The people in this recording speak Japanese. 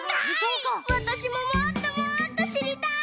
わたしももっともっとしりたい！